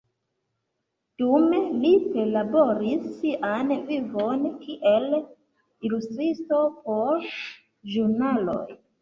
Dume li perlaboris sian vivon kiel ilustristo por ĵurnaloj.